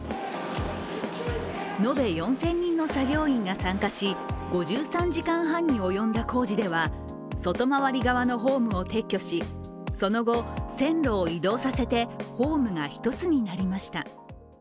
延べ４０００人の作業員が参加し、５３時間半に及んだ工事では外回り側のホームを撤去し、その後線路を移動させてホームが１つになりました。